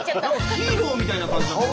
ヒーローみたいな感じ。